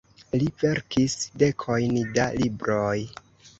Li verkis dekojn da libroj.